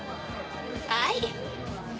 はい。